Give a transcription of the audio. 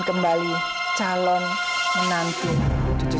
saya juga tidak akan menangka itu